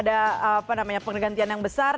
ada apa namanya penggantian yang besar